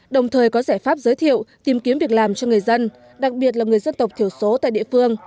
đồng thời có giải pháp giới thiệu tìm kiếm việc làm cho người dân đặc biệt là người dân tộc thiểu số tại địa phương